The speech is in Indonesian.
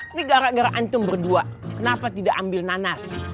ini gara gara ancaman berdua kenapa tidak ambil nanas